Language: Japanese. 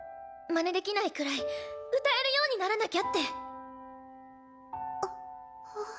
まねできないくらい歌えるようにならなきゃって。